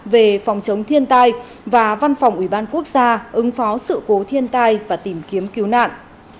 về phòng chống thiên tai và văn phòng ủy ban quốc gia ứng phó sự cố thiên tai và tìm kiếm cứu nạn